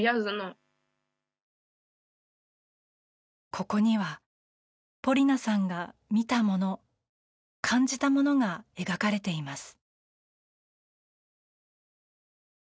ここにはポリナさんが見たもの感じたものが描かれています。